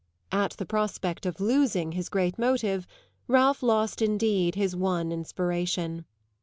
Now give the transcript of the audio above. At the prospect of losing his great motive Ralph lost indeed his one inspiration.